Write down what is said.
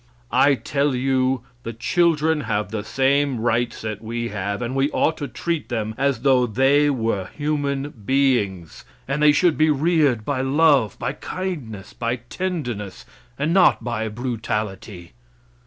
I tell you the children have the same rights that we have, and we ought to treat them as though they were human beings; and they should be reared by love, by kindness, by tenderness, and not by brutality.